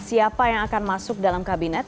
siapa yang akan masuk dalam kabinet